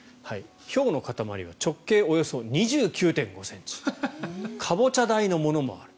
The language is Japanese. ひょうの塊は直径およそ２９．５ｃｍカボチャ大のものもあり。